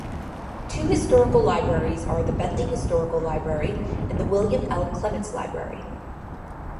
Two historical libraries are the Bentley Historical Library and the William L. Clements Library.